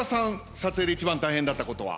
撮影で一番大変だったことは？